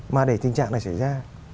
mà để tình trạng này xảy ra